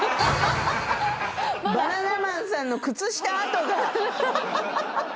バナナマンさんの靴下跡が！